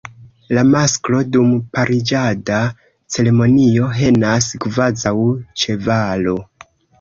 La masklo dum pariĝada ceremonio henas kvazaŭ ĉevalo.